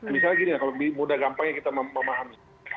misalnya gini kalau mudah gampangnya kita memahami